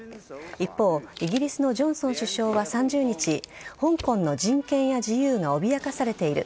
一方、イギリスのジョンソン首相は３０日香港の人権や自由が脅かされている。